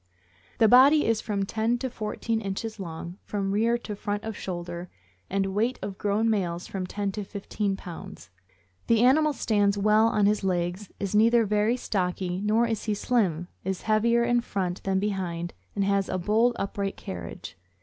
The body is from ten to fourteen inches long, from rear to front of shoulder, and weight of grown males from ten to fifteen pounds. The animal stands well on his legs, is neither very stocky nor is he slim, is heavier in front than behind, and has a bold and upright carriage.